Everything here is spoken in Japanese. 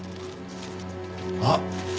あっ。